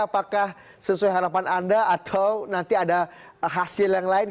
apakah sesuai harapan anda atau nanti ada hasil yang lain